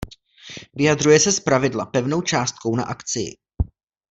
Vyjadřuje se zpravidla pevnou částkou na akcii.